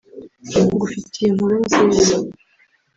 ngufitiye inkuru nziza